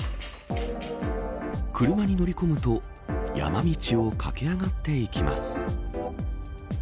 車に乗り込むと山道を駆け上がっていきます。